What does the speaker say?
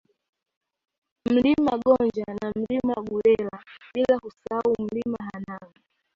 Mlima Gonja na Milima ya Gulela bila kusahau Mlima Hanang